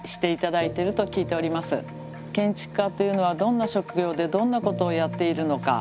建築家というのはどんな職業でどんなことをやっているのか。